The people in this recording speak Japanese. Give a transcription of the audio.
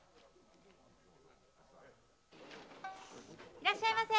・いらっしゃいませ！